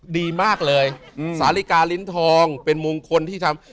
ดีมากเลยสาลิกาลิ้นทองเป็นมงคลที่ทำ